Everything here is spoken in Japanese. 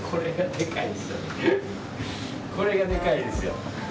これがでかいんですよ。